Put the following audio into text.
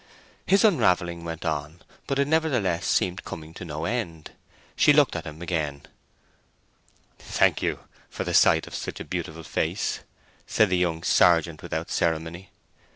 His unravelling went on, but it nevertheless seemed coming to no end. She looked at him again. "Thank you for the sight of such a beautiful face!" said the young sergeant, without ceremony.